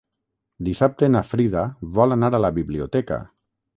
Dissabte na Frida vol anar a la biblioteca.